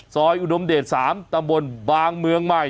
อุดมเดช๓ตำบลบางเมืองใหม่